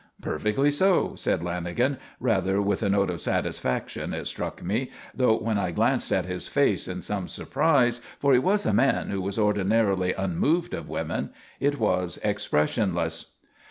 Perfectly so, said Lanagan, rather with a note of satisfaction it struck me, though when I glanced at his face in some surprise, for he was a man who was ordinarily unmoved of women, it was expressionless.